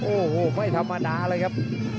โอ้โหไม่ธรรมดาเลยครับ